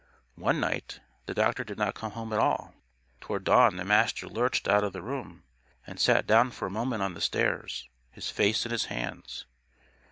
One night, the doctor did not go home at all. Toward dawn the Master lurched out of the room and sat down for a moment on the stairs, his face in his hands.